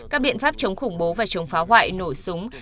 các biện pháp chống khủng bố và chống phá hoại nổ súng